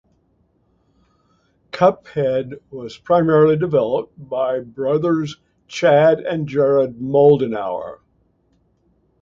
Cuphead was primarily developed by brothers Chad and Jared Moldenhauer.